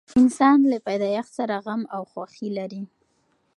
انسان له پیدایښت سره غم او خوښي لري.